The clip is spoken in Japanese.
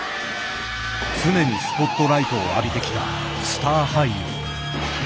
常にスポットライトを浴びてきたスター俳優。